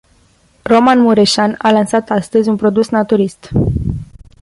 Roman Mureșan a lansat astăzi, un produs naturist.